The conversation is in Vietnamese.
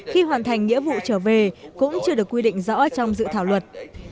khi hoàn thành nghĩa vụ trở về cũng chưa được quy định rõ trong dự thảo luật